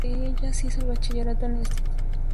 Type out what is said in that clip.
Hizo el Bachillerato en el Instituto de la Coruña.